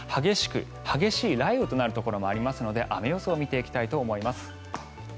激しい雷雨となるところもありますので雨予想を見ていきたいと思います。